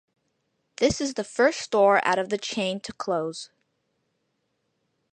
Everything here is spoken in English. This is the first store out of the chain to close.